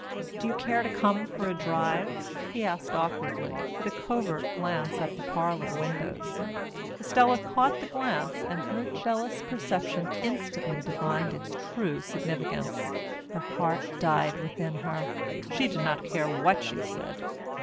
"Do you care to come for a drive?" he asked awkwardly, with a covert glance at the parlour windows. Estella caught the glance and her jealous perception instantly divined its true significance. Her heart died within her. She did not care what she said.